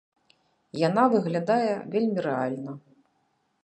Яна выглядае вельмі рэальна.